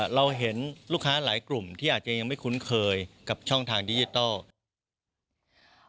เราเห็นลูกค้าหลายกลุ่มที่อาจจะยังไม่คุ้นเคยกับช่องทางดิจิทัล